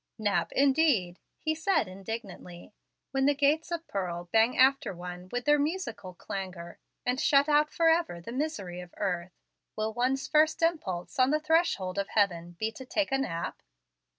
"Nap, indeed!" he said, indignantly. "When the gates of pearl bang after one with their musical clangor, and shut out forever the misery of earth, will one's first impulse on the threshold of heaven be to take a nap?"